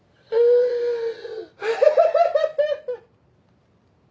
ハハハハ！